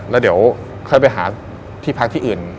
แล้วเดี๋ยวแค่ไปหาพอกที่อื่น